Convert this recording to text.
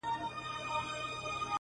د چا سل وه د چا زر كاله عمرونه -